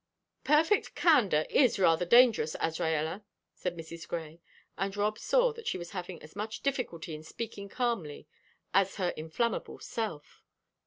"Perfect candor is rather dangerous, Azraella," said Mrs. Grey, and Rob saw that she was having as much difficulty in speaking calmly as her inflammable self.